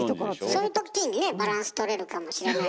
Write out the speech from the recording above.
そういう時にねバランスとれるかもしれないし。